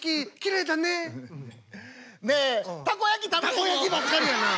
たこ焼きばっかりやな！